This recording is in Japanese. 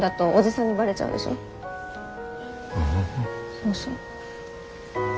そうそう。